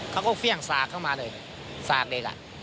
เขาก็เฟี่ยงสากเข้ามาเลยสากเด็กอ่ะ